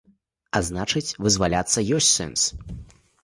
А значыць, вызваляцца ёсць сэнс.